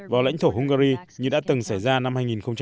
vào lãnh thổ hungary như đã từng xảy ra năm hai nghìn một mươi hai